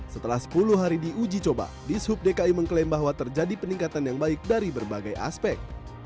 setelah sepuluh hari diuji coba di sub dki mengklaim bahwa terjadi peningkatan yang baik dari berbagai aspek